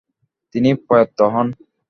তিনি প্রয়াত হন।